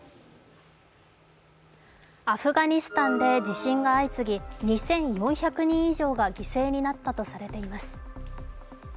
アフガニスタンで地震が相次ぎ、２４００人以上が犠牲になったとされています。